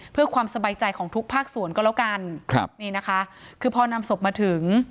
เพื่อความสบายใจของทุกภาคส่วนก็แล้วกันครับนี่นะคะคือพอนำศพมาถึง